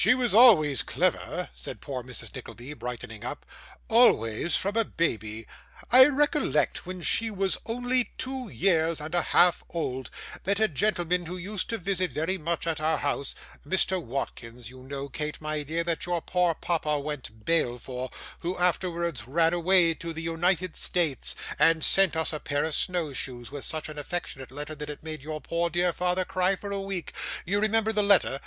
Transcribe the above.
'She always was clever,' said poor Mrs. Nickleby, brightening up, 'always, from a baby. I recollect when she was only two years and a half old, that a gentleman who used to visit very much at our house Mr Watkins, you know, Kate, my dear, that your poor papa went bail for, who afterwards ran away to the United States, and sent us a pair of snow shoes, with such an affectionate letter that it made your poor dear father cry for a week. You remember the letter?